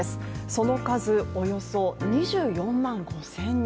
その数、およそ２４万５０００人。